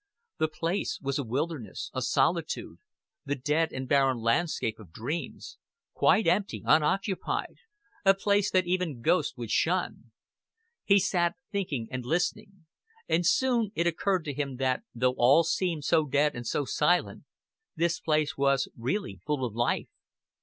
The place was a wilderness, a solitude, the dead and barren landscape of dreams quite empty, unoccupied, a place that even ghosts would shun. He sat thinking, and listening; and soon it occurred to him that, though all seemed so dead and so silent, this place was really full of life.